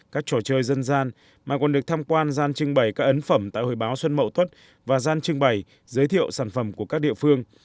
các trò chơi dân gian mà còn được tham quan gian trưng bày các ấn phẩm tại hội báo xuân mậu tuất và gian trưng bày giới thiệu sản phẩm của các địa phương